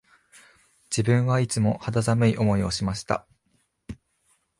自分はいつも肌寒い思いをしました